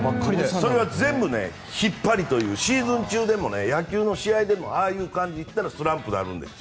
それは全部引っ張りというシーズン中でもああいう感じでいったらスランプになるんです。